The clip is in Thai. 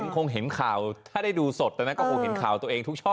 คงเห็นข่าวถ้าได้ดูสดตอนนั้นก็คงเห็นข่าวตัวเองทุกช่อง